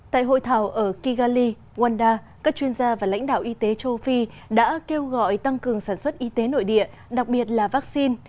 tại hội thảo ở kigali guanda các chuyên gia và lãnh đạo y tế châu phi đã kêu gọi tăng cường sản xuất y tế nội địa đặc biệt là vaccine